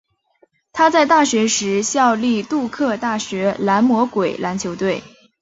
他在大学时效力杜克大学蓝魔鬼篮球队。